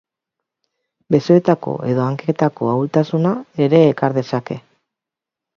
Besoetako edo hanketako ahultasuna ere ekar dezake.